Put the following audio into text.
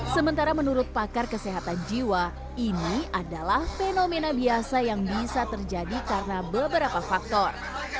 sementara menurut pakar kesehatan jiwa ini adalah fenomena biasa yang bisa terjadi karena beberapa faktor